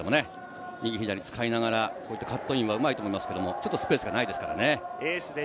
右、左使いながらカットインはうまいと思いますけど、ちょっとスペースがないですからね。